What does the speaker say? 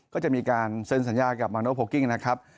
ก็จะมีการเซ็นสัญญากับมาโนโพลกิ้งนะครับ